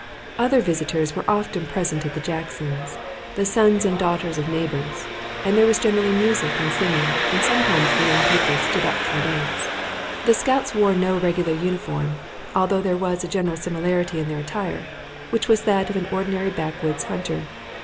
Other visitors were often present at the Jacksons', the sons and daughters of neighbors, and there was generally music and singing, and sometimes the young people stood up for a dance. The scouts wore no regular uniform, although there was a general similarity in their attire, which was that of an ordinary backwoods hunter.